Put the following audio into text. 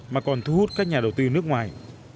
mà còn thu hút các nhà đầu tư nước ngoài